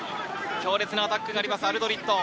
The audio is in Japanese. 強烈なアタックがありますアルドリット。